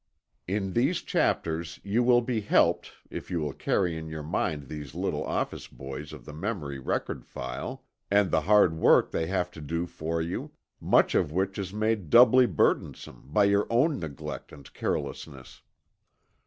In these chapters you will be helped, if you will carry in your mind these little office boys of the memory record file, and the hard work they have to do for you, much of which is made doubly burdensome by your own neglect and carelessness.